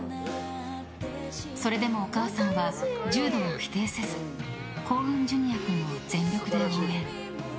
それでもお母さんは柔道を否定せず幸雲Ｊｒ．君を全力で応援。